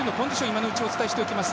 今のうちにお伝えしておきます。